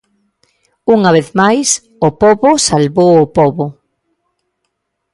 Unha vez máis, o pobo salvou o pobo.